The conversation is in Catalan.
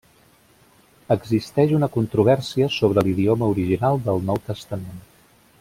Existeix una controvèrsia sobre l'idioma original del Nou Testament.